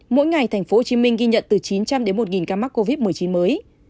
mỗi ngày tp hcm ghi nhận từ chín trăm linh đến một ca mắc covid một mươi chín mới